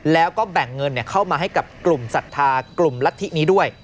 แล้วก็แบ่งเงินเข้ามาให้กับกลุ่มศรัทธากลุ่มรัฐธินี้ด้วย